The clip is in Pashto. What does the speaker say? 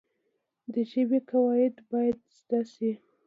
د ژبي قواعد باید زده سي.